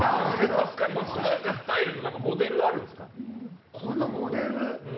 このスタイルのモデルあるんですか？